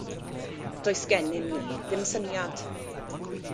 Does gennym ni ddim syniad.